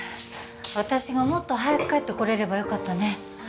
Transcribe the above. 私がもっと早く帰ってこれればよかったね